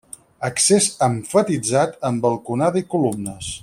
Accés emfatitzat amb balconada i columnes.